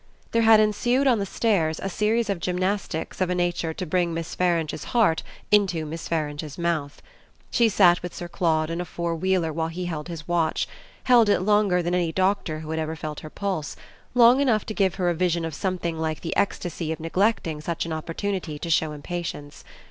there had ensued on the stairs a series of gymnastics of a nature to bring Miss Farange's heart into Miss Farange's mouth. She sat with Sir Claude in a four wheeler while he still held his watch; held it longer than any doctor who had ever felt her pulse; long enough to give her a vision of something like the ecstasy of neglecting such an opportunity to show impatience.